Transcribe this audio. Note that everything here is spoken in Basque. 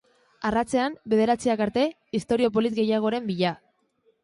Arratsean, bederatziak arte, istorio polit gehiagoren bila.